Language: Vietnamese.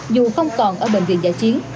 dù không còn ở bệnh viện giải chiến